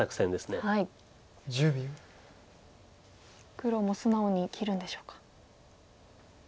黒も素直に切るんでしょうか。